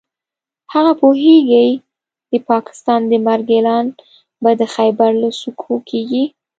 هغه پوهېږي د پاکستان د مرګ اعلان به د خېبر له څوکو کېږي.